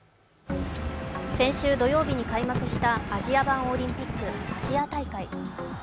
先週土曜日に開幕したアジア版オリンピック、アジア大会。